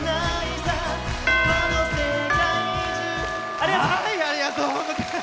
ありがとうございます。